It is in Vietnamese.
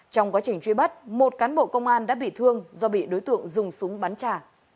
trong quá trình truy bắt một cán bộ công an đã bị thương do bị đối tượng dùng súng bắn trả